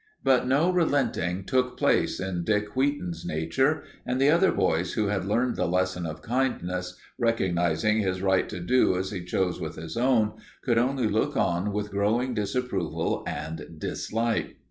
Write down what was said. But no relenting took place in Dick Wheaton's nature, and the other boys who had learned the lesson of kindness, recognizing his right to do as he chose with his own, could only look on with growing disapproval and dislike.